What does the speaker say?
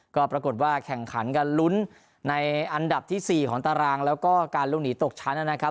ก็ปรากฏว่าแข่งขันกันลุ้นในอันดับที่๔ของตารางแล้วก็การลงหนีตกชั้นนะครับ